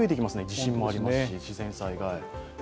地震もありますし、自然災害。